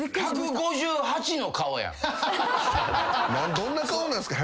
どんな顔なんすか。